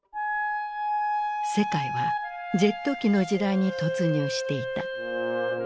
世界はジェット機の時代に突入していた。